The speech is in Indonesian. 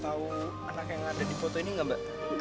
tau anak yang ada di foto ini gak mbak